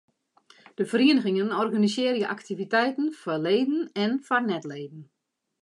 De ferieningen organisearje aktiviteiten foar leden en foar net-leden.